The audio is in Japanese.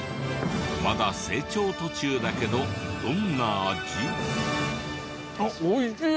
まだ成長途中だけどどんな味？あっ美味しい！